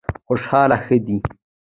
خوشحالي ښه دی.